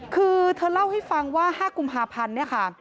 คือเธอเล่าให้ฟังว่า๕กุมภาพันธ์เนี่ยค่ะ